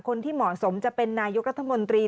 คนที่เหมาะสมจะเป็นนายกรัฐมนตรี